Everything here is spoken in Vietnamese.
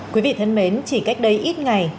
quý vị thân mến chỉ cách đây ít ngày